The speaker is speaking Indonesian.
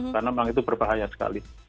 karena memang itu berbahaya sekali